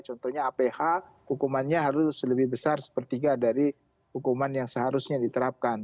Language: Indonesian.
contohnya aph hukumannya harus lebih besar sepertiga dari hukuman yang seharusnya diterapkan